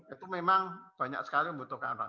itu memang banyak sekali yang membutuhkan orang